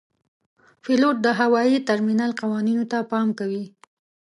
پیلوټ د هوايي ترمینل قوانینو ته پام کوي.